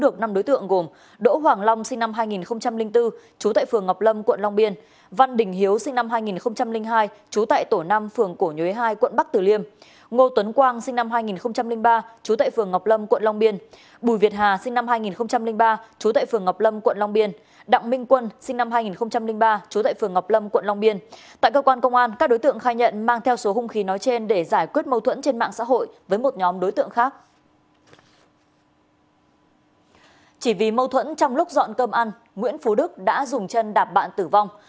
chỉ vì mâu thuẫn trong lúc dọn cơm ăn nguyễn phú đức đã dùng chân đạp bạn tử vong